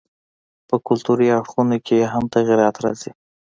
په کلتوري اړخونو کښي ئې هم تغيرات راځي.